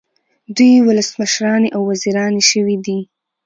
دوی ولسمشرانې او وزیرانې شوې دي.